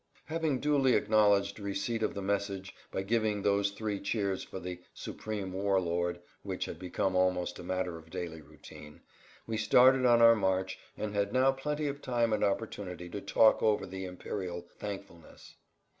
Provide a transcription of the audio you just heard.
Having duly acknowledged receipt of the message by giving those three cheers for the "Supreme War Lord" which had become almost a matter of daily routine, we started on our march and had now plenty of time and opportunity to talk over the imperial "thankfulness."